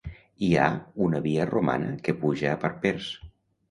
Hi ha una via romana que puja a Parpers